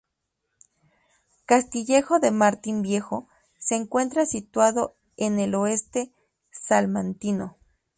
Castillejo de Martín Viejo se encuentra situado en el oeste salmantino.